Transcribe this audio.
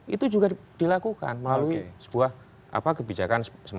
itu juga dilakukan melalui sebuah kebijakan semacam perpu